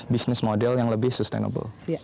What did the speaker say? bisnis model yang lebih sustainable